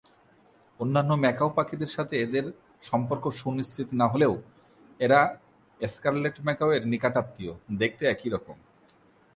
অন্যান্য ম্যাকাও পাখিদের সাথে এদের সম্পর্ক সুনিশ্চিত না হলেও এরা স্কারলেট ম্যাকাও এর নিকটাত্মীয়, দেখতে একই রকম।